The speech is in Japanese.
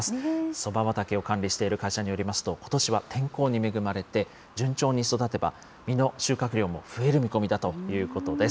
そば畑を管理している会社によりますと、ことしは天候に恵まれて、順調に育てば、実の収穫量も増える見込みだということです。